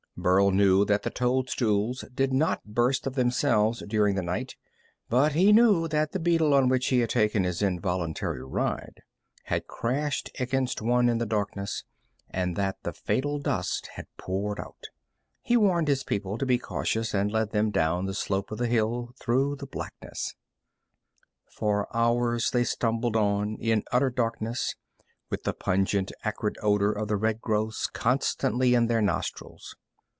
Burl knew that the toadstools did not burst of themselves during the night, but he knew that the beetle on which he had taken his involuntary ride had crashed against one in the darkness, and that the fatal dust had poured out. He warned his people to be cautious, and led them down the slope of the hill through the blackness. For hours they stumbled on in utter darkness, with the pungent, acrid odor of the red growths constantly in their nostrils.